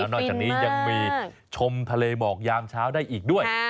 นอกจากนี้ยังมีชมทะเลหมอกยามเช้าได้อีกด้วย